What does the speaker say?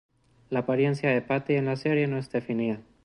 La apariencia de Patty en la serie no es definida.